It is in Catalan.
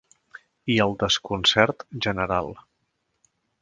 I el desconcert general.